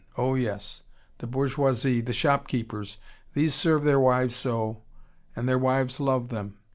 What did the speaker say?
Oh, yes. The bourgeoisie, the shopkeepers, these serve their wives so, and their wives love them.